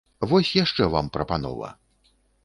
Вось яшчэ вам прапанова!